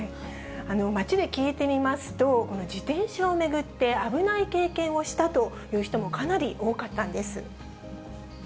街で聞いてみますと、この自転車を巡って危ない経験をしたという人もかなり多かったんです。